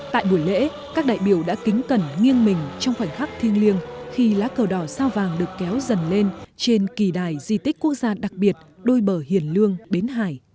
tại buổi lễ các đại biểu đã kính cẩn nghiêng mình trong khoảnh khắc thiêng liêng khi lá cờ đỏ sao vàng được kéo dần lên trên kỳ đài di tích quốc gia đặc biệt đôi bờ hiền lương bến hải